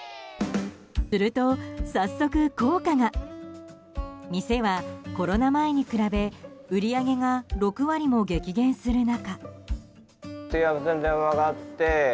すると、早速効果が。店はコロナ前に比べ売り上げが６割も激減する中。